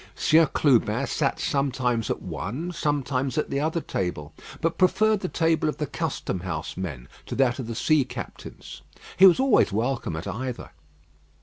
Sieur Clubin sat sometimes at one, sometimes at the other table, but preferred the table of the custom house men to that of the sea captains. He was always welcome at either.